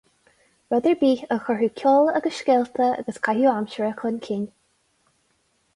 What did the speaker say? Rud ar bith a chuirfeadh ceol agus scéalta agus caitheamh aimsire chun cinn.